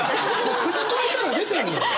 口越えたら出てんのよ！